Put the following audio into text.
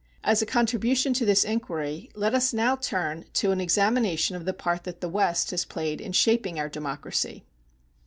As a contribution to this inquiry, let us now turn to an examination of the part that the West has played in shaping our democracy.